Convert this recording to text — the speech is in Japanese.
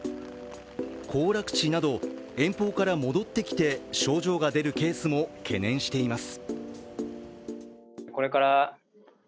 行楽地など、遠方から戻ってきて症状が出るケースも懸念しています。